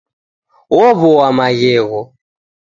Ow'oa maghegho.